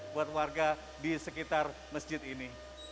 buat warga di sekitar masjid ini